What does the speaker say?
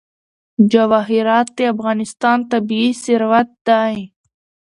جواهرات د افغانستان طبعي ثروت دی.